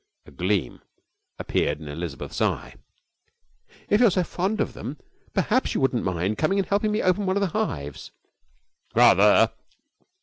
A gleam appeared in Elizabeth's eye. 'If you are so fond of them, perhaps you wouldn't mind coming and helping me open one of the hives?' 'Rather!'